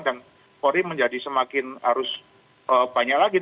dan polri menjadi semakin harus banyak lagi